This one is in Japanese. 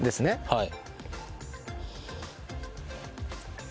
はい。